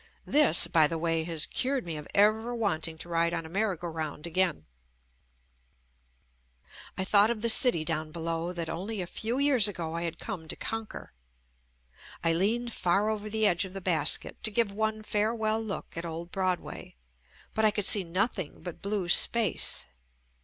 This, by the way, has cured me of ever wanting to ride on a merry go round again. JUST ME I thought of the city down below that only a few years ago I had come to conquer. I leaned far over the edge of the basket to give one fare well look at old Broadway, but I could see nothing but blue space.